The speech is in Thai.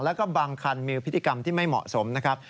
แล้วก็บางคันมีพฤติกรรมที่ไม่เหมาะสมนะครับ